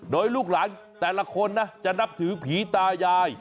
โดยลูกหลานแต่ละคนนะจะนับถือผีตายาย